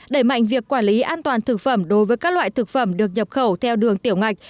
đẩy mạnh việc quản lý an toàn thực phẩm đối với các loại thực phẩm được nhập khẩu theo đường tiểu ngạch